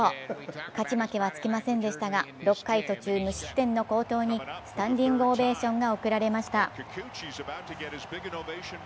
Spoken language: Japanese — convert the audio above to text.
勝ち負けはつきませんでしたが６回途中２失点の好投に、スタンディングオベーションが送られました。